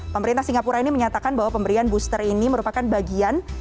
pemerintah singapura ini menyatakan bahwa pemberian booster ini merupakan bagian